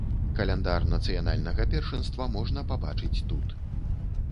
Каляндар нацыянальнага першынства можна пабачыць тут.